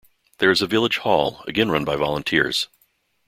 There is a Village Hall, again run by volunteers.